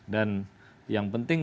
dan yang penting